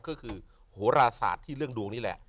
ก็คือโหราศาสตร์ที่เรื่องดวงนี่แหละ